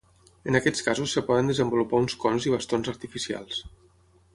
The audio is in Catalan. En aquests casos es poden desenvolupar uns cons i bastons artificials.